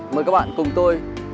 mời các bạn cùng tôi